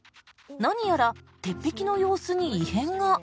何やら鉄壁の様子に異変が。